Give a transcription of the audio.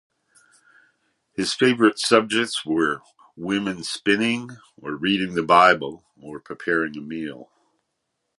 His favorite subjects were women spinning, or reading the Bible, or preparing a meal.